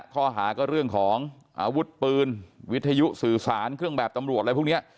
ข้อหาก็เรื่องของอาวุธปืนวิทยุสื่อสารเครื่องแบบตำรวจอะไรพวกนี้